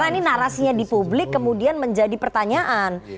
karena ini narasinya di publik kemudian menjadi pertanyaan